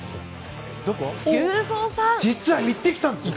実は行ってきたんです！